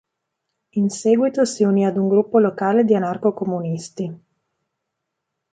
In seguito si unì ad un gruppo locale di anarco-comunisti.